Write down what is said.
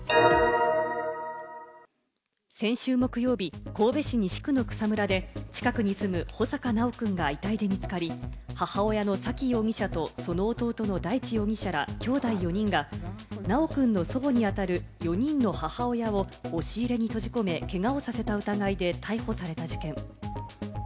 先週木曜日、神戸市西区の草むらで、近くに住む穂坂修くんが遺体で見つかり、母親の沙喜容疑者とその弟の大地容疑者ら、きょうだい４人が修くんの祖母にあたる４人の母親を押し入れに閉じ込め、けがをさせた疑いで逮捕された事件。